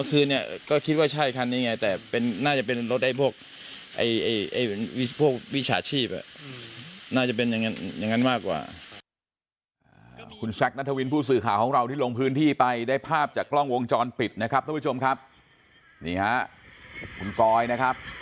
คุณแซคนัทวินผู้สื่อข่าวของเราที่ลงพื้นที่ไปได้ภาพจากกล้องวงจรปิดนะครับทุกผู้ชมครับนี่ฮะคุณกอยนะครับ